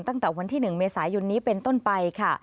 ตั้งแต่วันที่๑เมษายนนี้เป็นต้นไปค่ะ